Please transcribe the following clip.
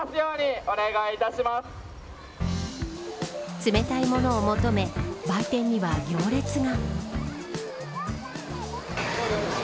冷たいものを求め売店には行列が。